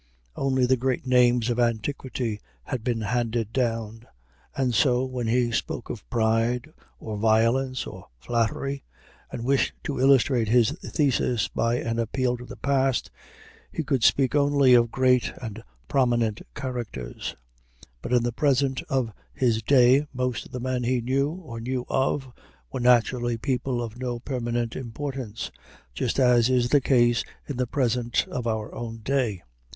Only the great names of antiquity had been handed down, and so, when he spoke of pride or violence or flattery, and wished to illustrate his thesis by an appeal to the past, he could speak only of great and prominent characters; but in the present of his day most of the men he knew, or knew of, were naturally people of no permanent importance just as is the case in the present of our own day.